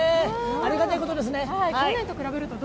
ありがたいことですね。